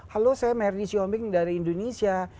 halo saya meri syoming dari indonesia